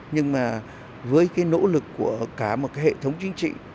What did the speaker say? nhưng mà với cái nỗ lực của cả một cái hệ thống chính trị